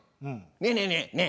ねえねえねえねえ。